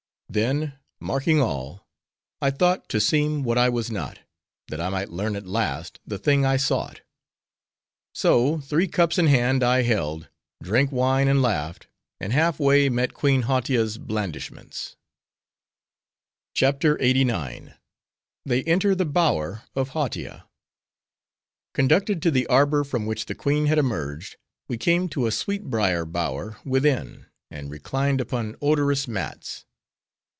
Then, marking all, I thought to seem what I was not, that I might learn at last the thing I sought. So, three cups in hand I held; drank wine, and laughed; and half way met Queen Hautia's blandishments. CHAPTER LXXXIX. They Enter The Bower Of Hautia Conducted to the arbor, from which the queen had emerged, we came to a sweet brier bower within; and reclined upon odorous mats.